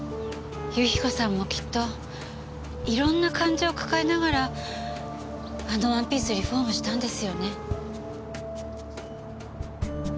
由紀子さんもきっといろんな感情抱えながらあのワンピースリフォームしたんですよね？